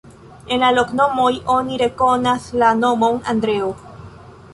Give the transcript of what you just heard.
En la loknomoj oni rekonas la nomon Andreo.